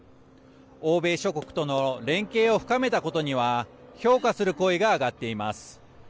欧米諸国との連携を深めたことには評価する声が上がっています。